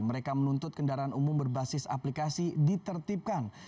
mereka menuntut kendaraan umum berbasis aplikasi ditertibkan